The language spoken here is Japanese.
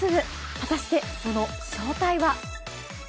果たしてその正体は。